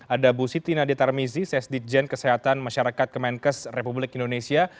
ada bu siti nadia tarmizi sesdikjen kesehatan masyarakat kemenkes republik indonesia